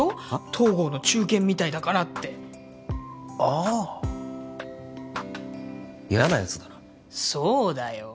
東郷の忠犬みたいだからってああ嫌なやつだなそうだよ